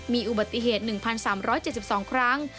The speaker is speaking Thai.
มีอุบัติเหตุ๑๓๗๒ครั้ง